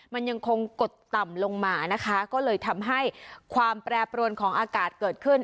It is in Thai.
มันยังคงกดต่ำลงมานะคะก็เลยทำให้ความแปรปรวนของอากาศเกิดขึ้น